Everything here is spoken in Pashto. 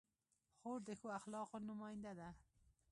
خور د ښو اخلاقو نماینده ده.